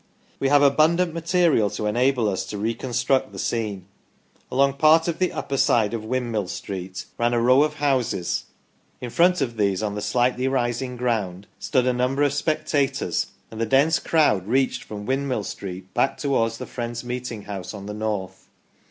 We have abundant material to enable us to reconstruct the scene. Along part of the upper side of Windmill Street ran a row of houses. In front of these, on the slightly rising ground, stood a number of spectators, and the dense crowd reached from Windmill Street back towards the Friends' meeting house on the north.